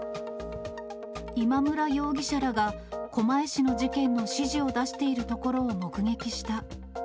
今村容疑者らが狛江市の事件の指示を出しているところを目撃した。